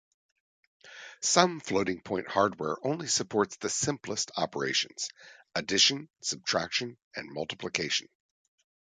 Some floating-point hardware only supports the simplest operations - addition, subtraction, and multiplication.